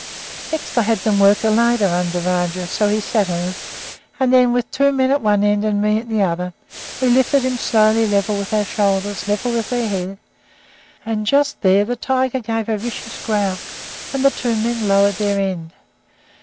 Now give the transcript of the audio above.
Next I had them work a ladder under Rajah, so that he sat on it; and then, with two men at one end and me at the other, we lifted him slowly level with our shoulders, level with our heads, and just there the tiger gave a vicious growl, and the two men lowered their end.